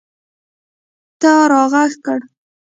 ته راږغ کړه !